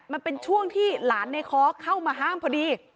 มันเป็นช่วงที่หลานในค้อเข้ามาห้ามพอดี